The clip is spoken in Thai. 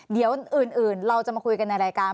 เดี๋ยวอื่นเราจะมาคุยกันในรายการ